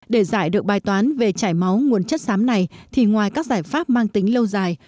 để giải được bài toán về chảy máu nguồn chất xám này thì ngoài các giải pháp mang tính lâu dài